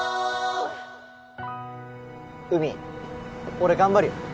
俺頑張るよ。